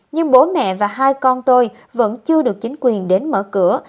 nhưng bố mẹ và hai con tôi vẫn chưa được chính quyền đến mở cửa